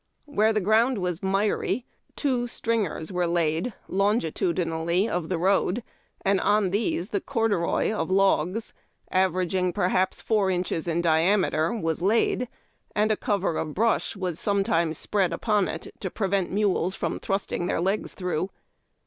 Where the ground was miry, two stringers were laid longitudinally of the road, and on tliese the corduroy of logs, averaging, perhai')S, four inches in diameter, was laid, and a cover of brush was sometimes spread upon it to prevent mules from thrusting their legs tlirough.